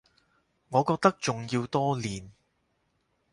我覺得仲要多練